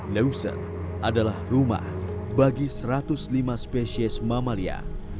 leuser adalah rumah bagi satu ratus lima spesies mamalia